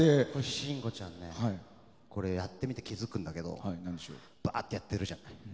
信五ちゃんねこれやってみて気づくんだけどばーってやってるじゃん。